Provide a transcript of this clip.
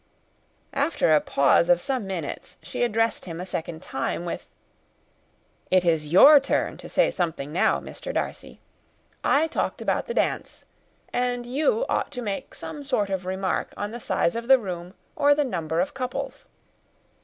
After a pause of some minutes, she addressed him a second time, with "It is your turn to say something now, Mr. Darcy. I talked about the dance, and you ought to make some kind of remark on the size of the room, or the number of couples."